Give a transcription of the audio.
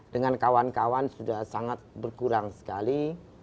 dengan kawan kawan sudah sangat berkurang sekali